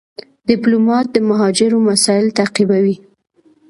ډيپلومات د مهاجرو مسایل تعقیبوي.